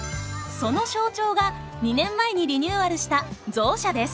その象徴が２年前にリニューアルしたゾウ舎です。